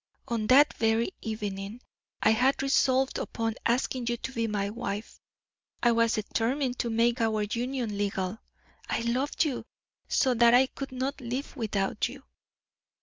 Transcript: On that very evening I had resolved upon asking you to be my wife. I was determined to make our union legal. I loved you so that I could not live without you."